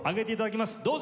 どうぞ！